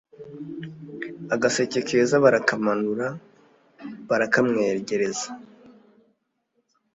Agaseke keza barakamanura barakamwegereza